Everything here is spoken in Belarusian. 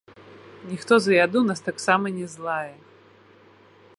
Ніхто за яду нас таксама не злае.